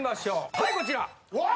はいこちら！